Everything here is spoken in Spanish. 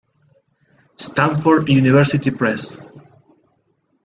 Stanford University Press.